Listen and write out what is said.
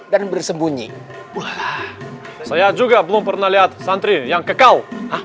dan bersembunyi saya juga belum pernah lihat santri yang kekal